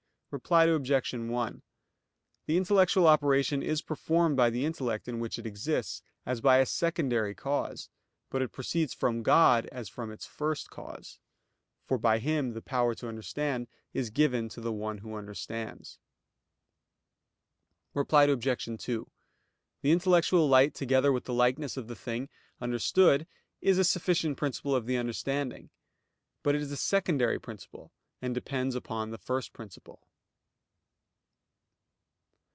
Reply Obj. 1: The intellectual operation is performed by the intellect in which it exists, as by a secondary cause; but it proceeds from God as from its first cause. For by Him the power to understand is given to the one who understands. Reply Obj. 2: The intellectual light together with the likeness of the thing understood is a sufficient principle of understanding; but it is a secondary principle, and depends upon the First Principle.